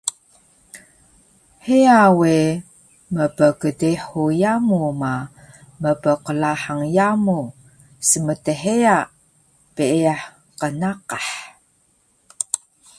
Heya we mpgdehu yamu ma, mpqlahang yamu smtheya peeyah qnnaqah